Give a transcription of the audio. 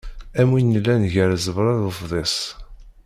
Am win yellan gar ẓẓebra d ufḍis.